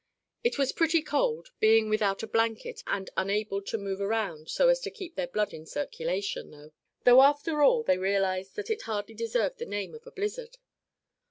It was pretty cold, being without a blanket and unable to move around so as to keep their blood in circulation, though, after all, they realized that it hardly deserved the name of a blizzard.